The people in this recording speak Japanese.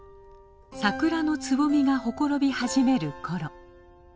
サクラのつぼみがほころび始める頃。